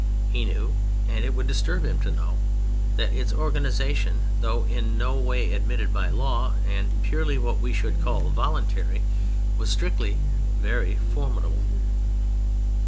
He knew (and it would disturb him to know) that its organization, though in no way admitted by law, and purely what we should call "voluntary," was strict and very formidable.